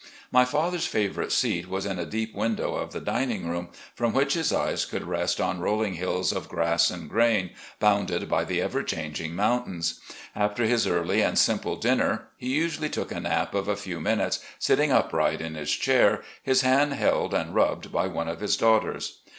My father's favourite seat was in a deep window of the dining room, from which his eyes could rest on rolling fields of grass and grain, bounded by the ever changing motmtains. After his early and simple dinner, he usually took a nap of a few minutes, sitting upright in his chair, his hand held and rubbed by one of his daughters.